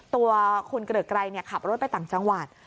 ตัวคุณเกริกไกรขับรถไปต่างจังหวัด